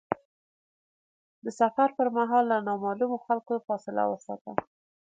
د سفر پر مهال له نامعلومو خلکو فاصله وساته.